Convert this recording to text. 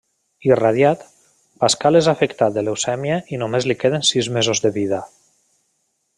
Irradiat, Pascal és afectat de leucèmia i només li queden sis mesos de vida.